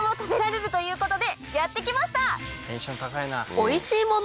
おいしいもの